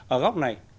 ở góc này